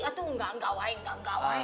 ato enggak enggak wae enggak enggak wae